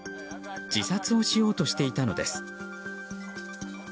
自殺をしようとしていたのです。